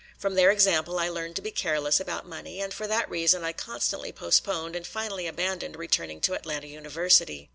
From their example I learned to be careless about money, and for that reason I constantly postponed and finally abandoned returning to Atlanta University.